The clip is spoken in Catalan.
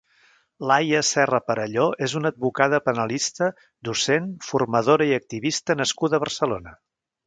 Laia Serra Perelló és una advocada penalista, docent, formadora i activista nascuda a Barcelona.